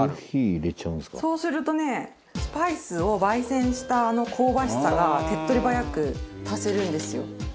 和田：そうするとねスパイスを焙煎したあの香ばしさが手っ取り早く足せるんですよ。